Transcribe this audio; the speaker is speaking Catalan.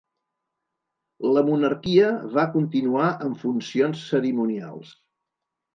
La monarquia va continuar en funcions cerimonials.